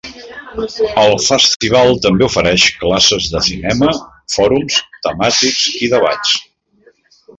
El festival també ofereix classes de cinema, fòrums temàtics i debats.